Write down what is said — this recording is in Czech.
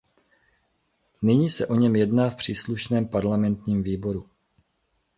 Nyní se o něm jedná v příslušném parlamentním výboru.